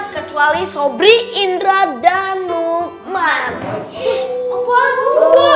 kecuali sobri indra dan numan